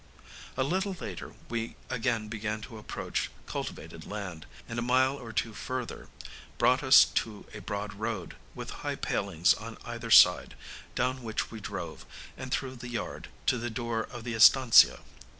A little later we again began to approach cultivated land, and a mile or two further brought us to a broad road, with high palings on either side, down which we drove, and through the yard, to the door of the estancia.